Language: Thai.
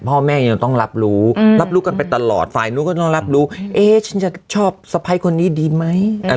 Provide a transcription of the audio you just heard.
พ่อแม่ยังต้องรับรู้รับรู้กันไปตลอดฝ่ายนู้นก็ต้องรับรู้เอ๊ะฉันจะชอบสะพ้ายคนนี้ดีไหม